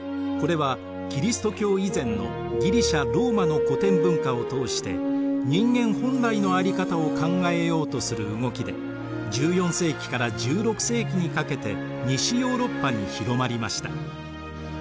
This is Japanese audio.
これはキリスト教以前のギリシア・ローマの古典文化を通して人間本来のあり方を考えようとする動きで１４世紀から１６世紀にかけて西ヨーロッパに広まりました。